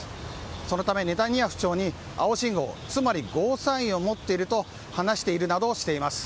そのため、ネタニヤフ首相に青信号、つまりゴーサインを待っていると話しているなどしています。